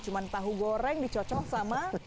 cuma tahu goreng dicocok sama